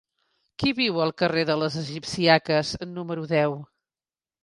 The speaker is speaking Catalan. Qui viu al carrer de les Egipcíaques número deu?